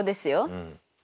うん。